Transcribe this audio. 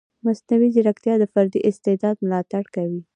مصنوعي ځیرکتیا د فردي استعداد ملاتړ کوي.